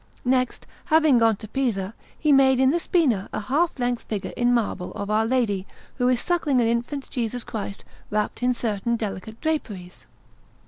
Next, having gone to Pisa, he made in the Spina a half length figure in marble of Our Lady, who is suckling an infant Jesus Christ wrapped in certain delicate draperies.